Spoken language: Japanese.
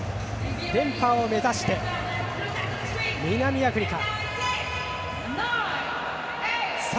連覇を目指して南アフリカ。